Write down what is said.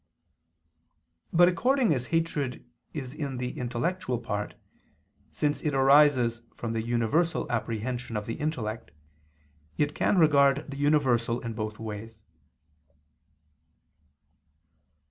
But according as hatred is in the intellectual part, since it arises from the universal apprehension of the intellect, it can regard the universal in both ways.